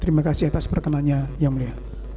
terima kasih atas perkenannya yang mulia